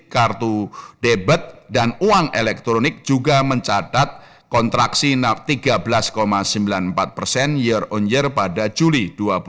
kartu debit dan uang elektronik juga mencatat kontraksi tiga belas sembilan puluh empat persen year on year pada juli dua ribu dua puluh